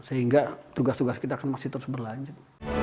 sehingga tugas tugas kita akan masih terus berlanjut